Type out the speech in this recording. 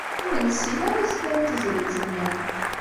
Ur nessin ara isefra n tezlit-nni.